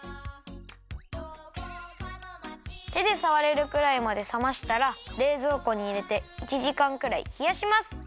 てでさわれるくらいまでさましたられいぞうこにいれて１じかんくらいひやします！